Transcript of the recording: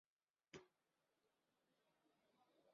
郭泉在香港曾任保良局及东华医院总理。